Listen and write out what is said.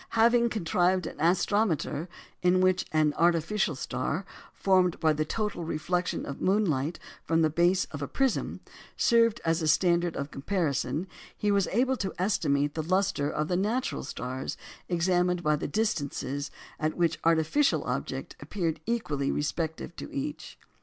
Having contrived an "astrometer" in which an "artificial star," formed by the total reflection of moonlight from the base of a prism, served as a standard of comparison, he was able to estimate the lustre of the natural stars examined by the distances at which the artificial object appeared equal respectively to each.